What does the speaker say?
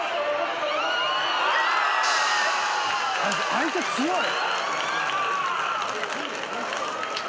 相手強い！